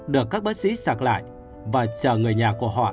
được các bác sĩ sạc lại và chờ người nhà của họ